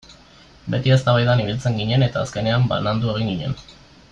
Beti eztabaidan ibiltzen ginen eta azkenean banandu egin ginen.